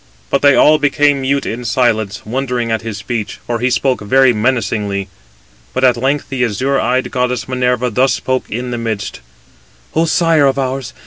But they all became mute in silence, wondering at his speech; for he spoke very menacingly. But at length the azure eyed goddess Minerva thus spoke in the midst: "O sire of ours!